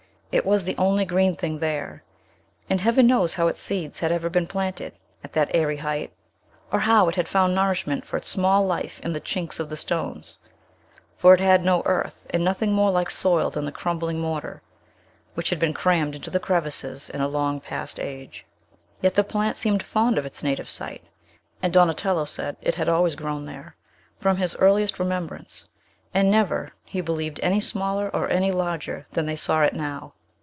It was the only green thing there; and Heaven knows how its seeds had ever been planted, at that airy height, or how it had found nourishment for its small life in the chinks of the stones; for it had no earth, and nothing more like soil than the crumbling mortar, which had been crammed into the crevices in a long past age. Yet the plant seemed fond of its native site; and Donatello said it had always grown there from his earliest remembrance, and never, he believed, any smaller or any larger than they saw it now.